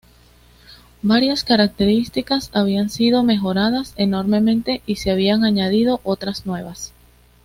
Varias características habían sido mejoradas enormemente y se habían añadido otras nuevas.